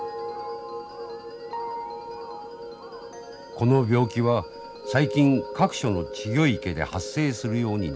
この病気は最近各所の稚魚池で発生するようになりました。